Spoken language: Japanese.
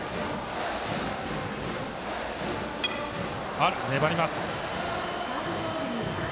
ファウル、粘ります。